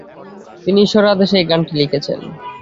তিনি ঈশ্বরের আদেশে এই গানটি লিখেছেন।